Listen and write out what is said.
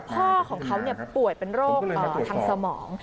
พ่อของเขาป่วยเป็นโรคทางสมอง